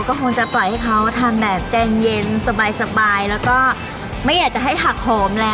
ก็คงจะปล่อยให้เขาทำแบบใจเย็นสบายแล้วก็ไม่อยากจะให้ผักหอมแล้ว